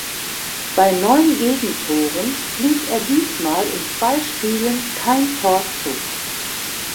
Bei neun Gegentoren ließ er diesmal in zwei Spielen kein Tor zu.